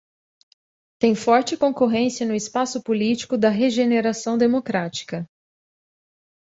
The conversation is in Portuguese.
Tem forte concorrência no espaço político da regeneração democrática.